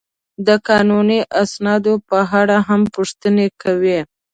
د قانوني اسنادو په اړه هم پوښتنې کوي.